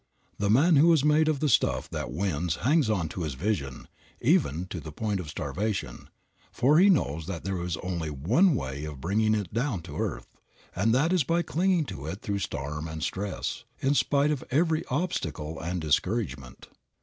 The man who is made of the stuff that wins hangs on to his vision, even to the point of starvation, for he knows that there is only one way of bringing it down to earth, and that is by clinging to it through storm and stress, in spite of every obstacle and discouragement.